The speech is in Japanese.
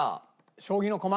将棋の駒。